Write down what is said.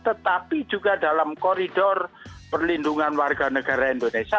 tetapi juga dalam koridor perlindungan warga negara indonesia